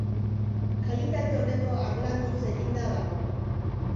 Kalitate oneko harlanduz eginda dago.